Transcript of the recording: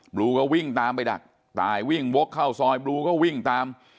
ลูก็วิ่งตามไปดักตายวิ่งวกเข้าซอยบลูก็วิ่งตาม